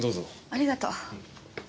ありがとう。